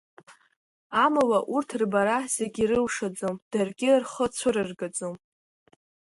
Амала, урҭ рбара зегьы ирылшаӡом, даргьы рхы цәырыргаӡом.